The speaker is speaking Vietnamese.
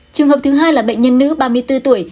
trường hợp thứ hai là bệnh nhân nữ ba mươi bốn tuổi